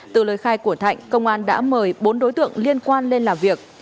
từ lời khai của thạnh công an đã mời bốn đối tượng liên quan lên làm việc